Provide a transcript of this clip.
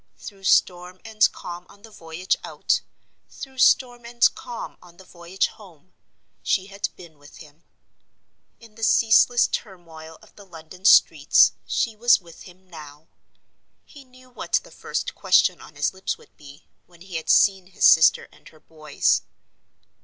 Through storm and calm on the voyage out, through storm and calm on the voyage home, she had been with him. In the ceaseless turmoil of the London streets, she was with him now. He knew what the first question on his lips would be, when he had seen his sister and her boys.